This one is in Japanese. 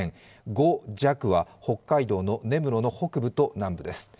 ５弱は北海道の根室の北部と南部です。